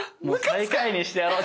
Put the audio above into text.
もう最下位にしてやろう！